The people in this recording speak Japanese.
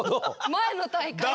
前の大会の。